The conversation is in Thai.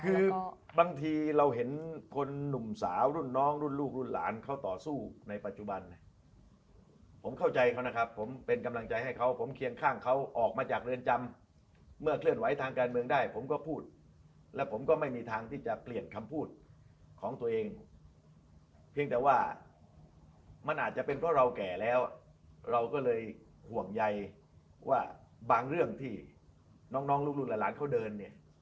คือบางทีเราเห็นคนหนุ่มสาวรุ่นน้องรุ่นลูกรุ่นหลานเขาต่อสู้ในปัจจุบันผมเข้าใจเขานะครับผมเป็นกำลังใจให้เขาผมเคียงข้างเขาออกมาจากเรือนจำเมื่อเคลื่อนไหวทางการเมืองได้ผมก็พูดแล้วผมก็ไม่มีทางที่จะเปลี่ยนคำพูดของตัวเองเพียงแต่ว่ามันอาจจะเป็นเพราะเราแก่แล้วเราก็เลยห่วงใยว่าบางเรื่องที่น้องน้องลูกรุ่นหลานเขาเดินเนี่ย